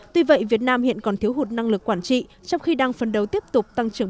tuy vậy việt nam hiện còn thiếu hụt năng lực quản trị trong khi đang phấn đấu tiếp tục tăng trưởng